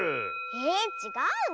えちがうの？